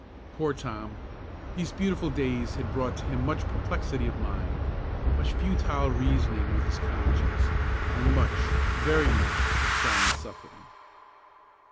Poor Tom! These beautiful days had brought to him much perplexity of mind, much futile reasoning with his conscience, and much, very much, of silent suffering.